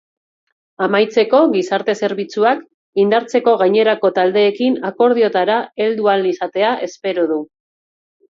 Amaitzeko, gizarte zerbitzuak indartzeko gainerako taldeekin akordioetara heldu ahal izatea espero du.